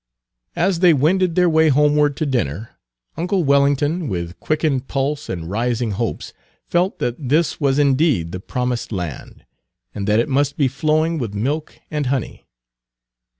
As they wended their way homeward to dinner uncle Wellington, with quickened pulse and rising hopes, felt that this was indeed the promised land, and that it must be flowing with milk and honey.